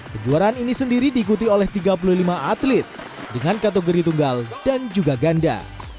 kejuaraan ini sendiri diikuti oleh tiga puluh lima atlet dengan kategori tunggal dan juga ganda